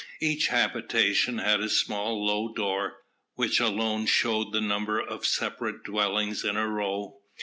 Each habitation had a small low door, which alone showed the number of separate dwellings in a row.